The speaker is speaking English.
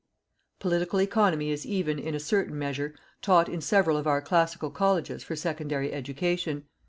Political economy is even, in a certain measure, taught in several of our classical colleges for secondary education.